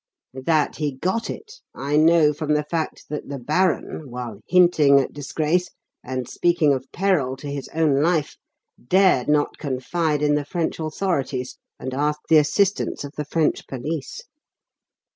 That he got it, I know from the fact that the baron, while hinting at disgrace and speaking of peril to his own life, dared not confide in the French authorities and ask the assistance of the French police.